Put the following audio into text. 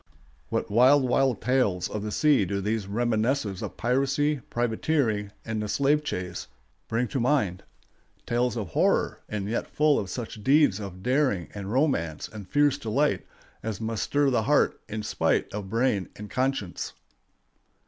What wild, wild tales of the sea do these reminiscences of piracy, privateering, and the slave chase bring to mind—tales of horror, and yet full of such deeds of daring and romance and fierce delight as must stir the heart in spite of brain and conscience!